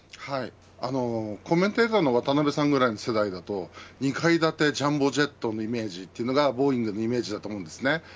コメンテーターの渡辺さんぐらいの世代だと２階建てジャンボジェットのイメージが、ボーイングのイメージだと思います。